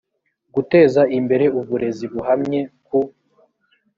guteza imbere uburezi buhamye ku